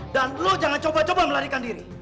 dan jangan anda mencoba untuk melarikan diri